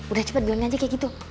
udah cepet bilangnya aja kayak gitu